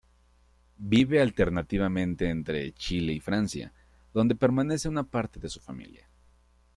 Vive alternativamente entre Chile y Francia, donde permanece una parte de su familia.